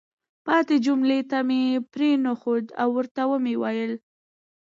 پاتې جملې ته مې پرېنښود او ورته ومې ویل: